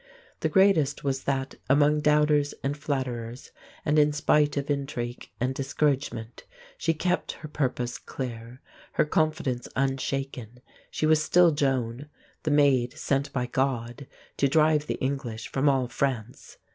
The greatest was that, among doubters and flatterers, and in spite of intrigue and discouragement, she kept her purpose clear, her confidence unshaken. She was still Joan, the Maid sent by God to drive the English from all France.